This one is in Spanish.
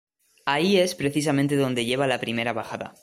Ahí es precisamente a donde lleva la primera bajada.